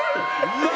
「うわ！」